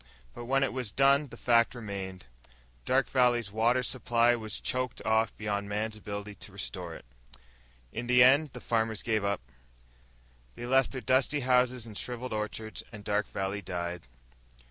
But when it was done the fact remained: Dark Valley's water supply was choked off beyond man's ability to restore it. In the end the farmers gave up, left their dusty houses and shriveled orchards, and Dark Valley died.